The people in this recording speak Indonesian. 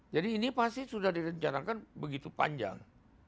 jadi ini pasti sudah direncanakan begitu panjang